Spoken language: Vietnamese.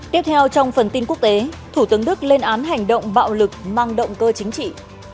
tiếp theo trong phần tin quốc tế thủ tướng đức lên án hành động bạo lực mang động cơ chính trị